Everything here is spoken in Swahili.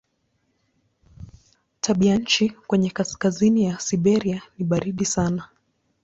Tabianchi kwenye kaskazini ya Siberia ni baridi sana.